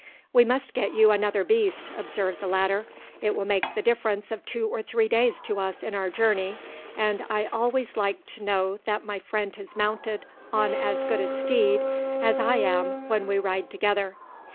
"We must get you another beast," observed the latter; "it will make the difference of two or three days to us in our journey, and I always like to know that my friend is mounted on as good a steed as I am when we ride together.